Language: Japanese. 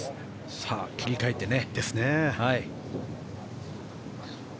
さあ、切り替えてね。